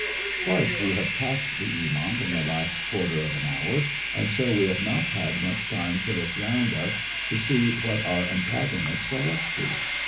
Twice we have tacked the Eamont in the last quarter of an hour, so we have not had much time to look round us to see what our antagonists are up to.